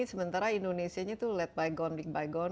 sementara indonesia itu let bygone big bygone